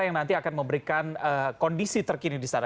yang nanti akan memberikan kondisi terkini di sana